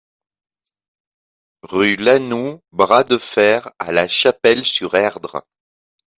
Rue Lanoue Bras de Fer à La Chapelle-sur-Erdre